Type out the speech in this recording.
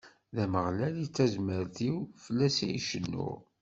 D Ameɣlal i d tazmert-iw, fell-as i cennuɣ.